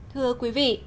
thưa quý vị